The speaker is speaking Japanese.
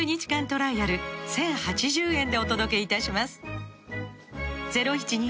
トライアル１０８０円でお届けいたします